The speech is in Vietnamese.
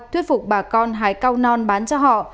thuyết phục bà con hái cao non bán cho họ